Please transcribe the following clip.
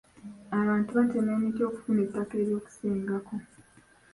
Abantu batema emiti okufuna ettaka ery'okusenga ko.